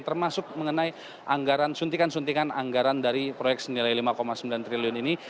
termasuk mengenai anggaran suntikan suntikan anggaran dari proyek senilai lima sembilan triliun ini